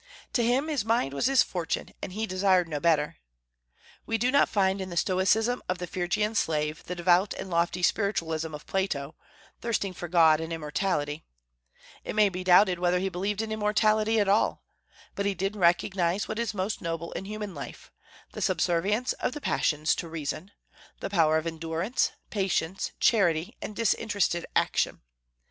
To him his mind was his fortune, and he desired no better. We do not find in the stoicism of the Phrygian slave the devout and lofty spiritualism of Plato, thirsting for God and immortality; it may be doubted whether he believed in immortality at all: but he did recognize what is most noble in human life, the subservience of the passions to reason, the power of endurance, patience, charity, and disinterested action.